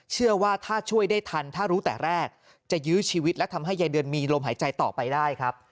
เชื่อว่าถ้าช่วยได้ทันถ้ารู้แต่แรกจะยื้อชีวิตและทำให้ยายเดือนมีลมหายใจต่อไปได้ครับ